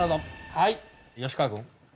はい吉川君。